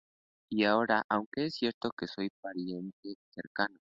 Y ahora, aunque es cierto que yo soy pariente cercano.